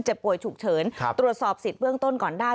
ป่วยฉุกเฉินตรวจสอบสิทธิ์เบื้องต้นก่อนได้